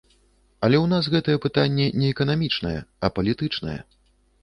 Але ў нас гэтае пытанне не эканамічнае, а палітычнае.